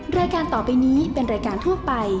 รายการต่อไปนี้เป็นรายการทั่วไป